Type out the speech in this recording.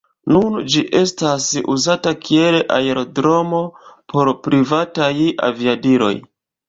Nun ĝi estas uzata kiel aerodromo por privataj aviadiloj.